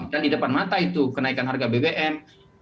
dan di depan mata itu kenaikan harga bbm